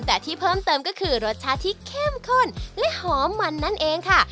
แต่ที่เพิ่มเติมก็คือรสชาติที่เข้มข้นและหอมมันนั่นเองค่ะ